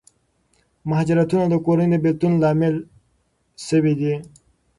مهاجرتونه د کورنیو د بېلتون لامل شوي دي.